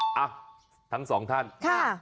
นะทั้งสองท่านจ้ะ